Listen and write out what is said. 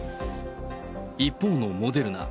一方のモデルナ。